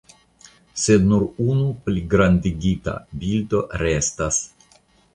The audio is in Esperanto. Sed nur unu pligrandigita bildo restas.